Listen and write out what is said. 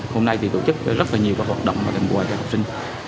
hôm nay tổ chức rất nhiều hoạt động dành quà cho học sinh